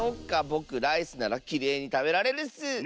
ぼくライスならきれいにたべられるッス！